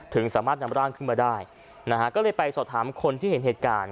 สามารถนำร่างขึ้นมาได้นะฮะก็เลยไปสอบถามคนที่เห็นเหตุการณ์